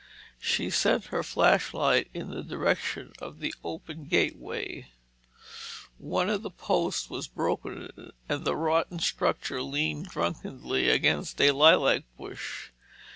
She sent her flashlight in the direction of the open gateway. One of the posts was broken and the rotting structure leaned drunkenly against a lilac bush.